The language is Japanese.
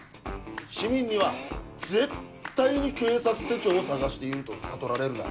市民には絶対に警察手帳を捜していると悟られるな。